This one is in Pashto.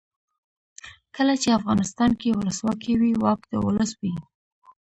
کله چې افغانستان کې ولسواکي وي واک د ولس وي.